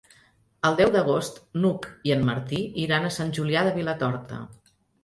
El deu d'agost n'Hug i en Martí iran a Sant Julià de Vilatorta.